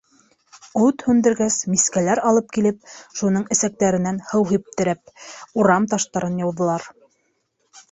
Ут һүндергес мискәләр алып килеп, шуның эсәктәренән һыу һиптереп, урам таштарын йыуҙырҙылар.